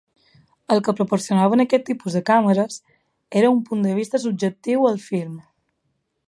El que proporcionaven aquest tipus de càmeres, era un punt de vista subjectiu al film.